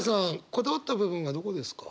こだわった部分はどこですか？